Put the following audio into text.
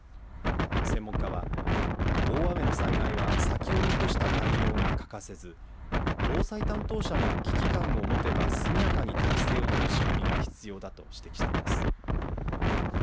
専門家は大雨の災害は先を見越した対応が欠かせず防災担当者が危機感を持てば速やかに態勢を取る仕組みが必要だと指摘しています。